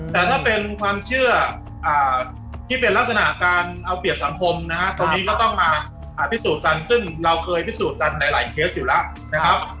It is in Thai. แต่ถ้าเป็นความเชื่อที่เป็นลักษณะการเอาเปรียบสังคมนะฮะตรงนี้ก็ต้องมาพิสูจน์กันซึ่งเราเคยพิสูจน์กันในหลายเคสอยู่แล้วนะครับ